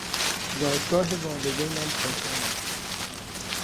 زادگاه والدینم کاشان است.